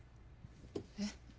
えっ？